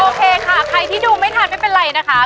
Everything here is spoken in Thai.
โอเคค่ะใครที่ดูไม่ทันไม่เป็นไรนะคะ